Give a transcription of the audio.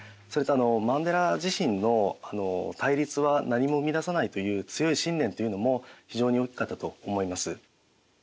それとあのマンデラ自身の対立は何も生み出さないという強い信念というのも非常に大きかったと思います。